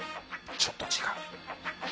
ちょっと違う。